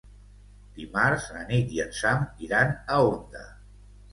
Dimarts na Nit i en Sam iran a Onda.